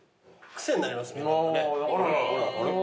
癖になりますね何かね。